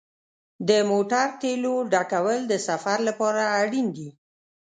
د موټر تیلو ډکول د سفر لپاره اړین دي.